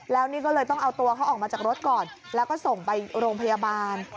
แล้วนี่ก็เลยต้องเอาตัวเขาออกมาจากรถก่อนแล้วก็ส่งไปโรงพยาบาล